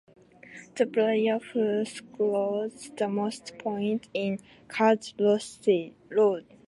The player who scores the most points in cards loses.